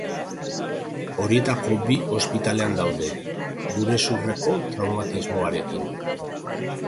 Horietako bi ospitalean daude, burezurreko traumatismoarekin.